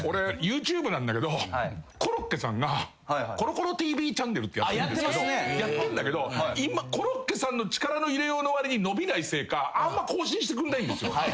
俺ＹｏｕＴｕｂｅなんだけど。ってやってるんですけどやってんだけど今コロッケさんの力の入れようのわりに伸びないせいかあんま更新してくんないんです。